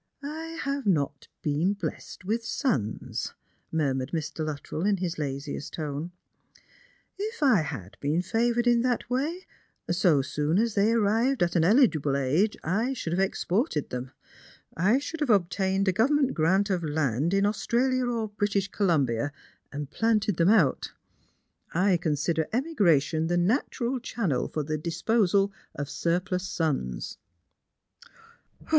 " I have not been blessed with sons," murmured Mr. Luttrell m his laziest tone. " If I had been favoured in that way, so soon 83 they arrived at an eligible age, I should have exported them. I should have obtained a government grant of land in Australia or British Columbia, and planted them out. I consider emigra* tion the natural channel for the disposal of surplus sons."